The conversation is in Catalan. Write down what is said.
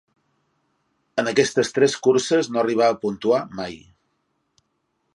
En aquestes tres curses no arribà a puntuar mai.